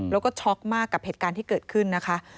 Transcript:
แล้วก็ช็อกมากกับเหตุการณ์ที่เกิดขึ้นนะคะ